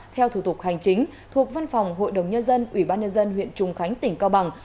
theo thủ tục hành chính thuộc văn phòng hội đồng nhân dân ủy ban nhân dân huyện trùng khánh tỉnh cao bằng